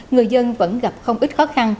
người dân vẫn gặp không ít khó khăn